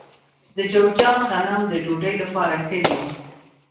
د جوزجان غنم د ډوډۍ لپاره ښه دي.